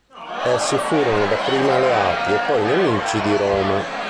Essi furono dapprima alleati e poi nemici di Roma.